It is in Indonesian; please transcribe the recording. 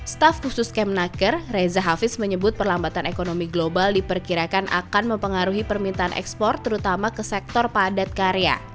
staff khusus kemnaker reza hafiz menyebut perlambatan ekonomi global diperkirakan akan mempengaruhi permintaan ekspor terutama ke sektor padat karya